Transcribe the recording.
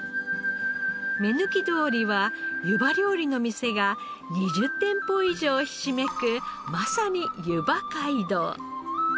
目抜き通りはゆば料理の店が２０店舗以上ひしめくまさにゆば街道。